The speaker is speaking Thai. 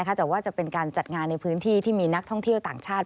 แต่ว่าจะเป็นการจัดงานในพื้นที่ที่มีนักท่องเที่ยวต่างชาติ